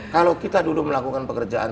kalau kita dulu melakukan pekerjaan